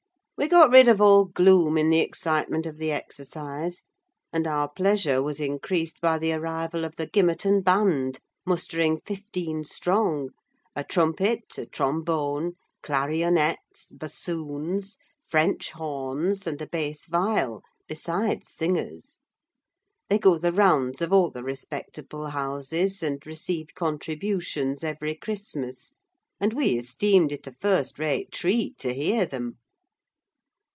We got rid of all gloom in the excitement of the exercise, and our pleasure was increased by the arrival of the Gimmerton band, mustering fifteen strong: a trumpet, a trombone, clarionets, bassoons, French horns, and a bass viol, besides singers. They go the rounds of all the respectable houses, and receive contributions every Christmas, and we esteemed it a first rate treat to hear them.